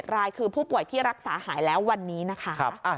รายคือผู้ป่วยที่รักษาหายแล้ววันนี้นะคะ